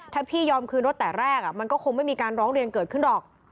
ถ้าพี่ยอมคืนรถแต่แรกมันก็คงไม่มีการร้องเรียนเกิดขึ้นหรอก